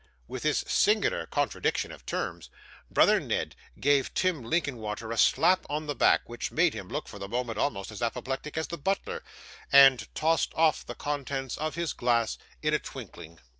With this singular contradiction of terms, brother Ned gave Tim Linkinwater a slap on the back, which made him look, for the moment, almost as apoplectic as the butler: and tossed off the contents of his glass in a twinkling.